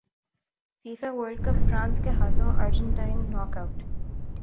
FIFA World cup France کے ہاتھوں Argentine knock it